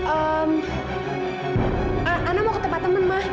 eh ana mau ke tempat temen mah